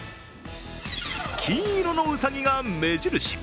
金色のうさぎが目印。